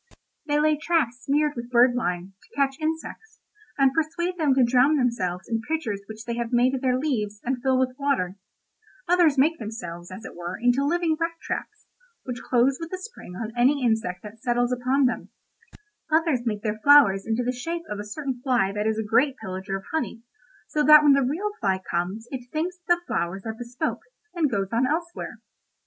"They lay traps smeared with bird lime, to catch insects, and persuade them to drown themselves in pitchers which they have made of their leaves, and fill with water; others make themselves, as it were, into living rat traps, which close with a spring on any insect that settles upon them; others make their flowers into the shape of a certain fly that is a great pillager of honey, so that when the real fly comes it thinks that the flowers are bespoke, and goes on elsewhere.